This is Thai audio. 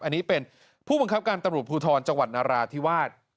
อันนี้เป็นผู้บังคับการตำรวจภูทรจังหวัดนราธิวาส